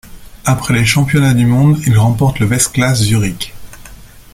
Après les Championnats du monde, il remporte le Weltklasse Zürich.